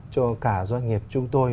cho cả doanh nghiệp chúng tôi